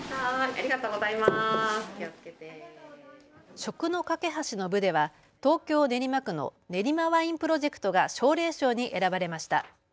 食の架け橋の部では東京練馬区のねりまワインプロジェクトが奨励賞に選ばれました。